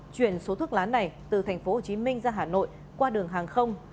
chuyển số thuốc lá này từ thành phố hồ chí minh ra hà nội qua đường hàng không